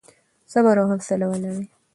صبر او حوصله ولرئ.